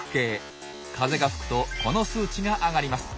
風が吹くとこの数値が上がります。